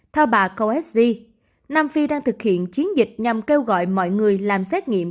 theo bà conesg nam phi đang thực hiện chiến dịch nhằm kêu gọi mọi người làm xét nghiệm